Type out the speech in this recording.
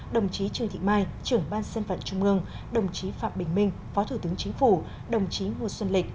đồng chí trương thị mai trưởng ban dân vận trung mương đồng chí phạm bình minh phó thủ tướng chính phủ đồng chí ngô xuân lịch